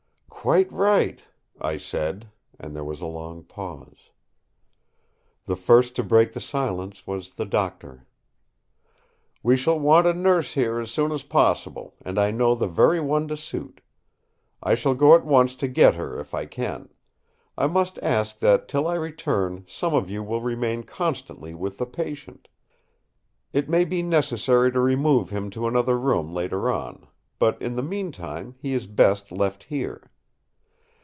"Quite right!" I said, and there was a long pause. The first to break the silence was the Doctor. "We shall want a nurse here as soon as possible; and I know the very one to suit. I shall go at once to get her if I can. I must ask that till I return some of you will remain constantly with the patient. It may be necessary to remove him to another room later on; but in the meantime he is best left here.